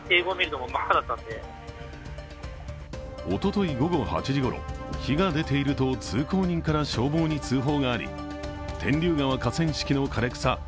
おととい午後８時ごろ、火が出ていると通行人から消防に通報があり天竜川河川敷の枯れ草